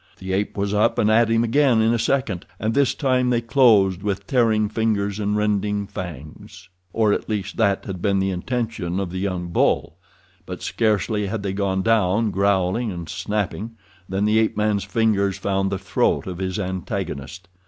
The ape was up and at him again in a second, and this time they closed with tearing fingers and rending fangs—or at least that had been the intention of the young bull; but scarcely had they gone down, growling and snapping, than the ape man's fingers found the throat of his antagonist.